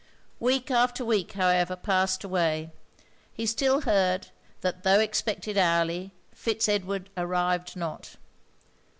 Week after week, however, passed away. He still heard, that tho' expected hourly, Fitz Edward arrived not.